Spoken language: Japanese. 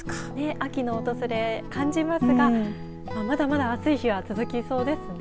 秋の訪れを感じますがまだまだ暑い日が続きそうですね。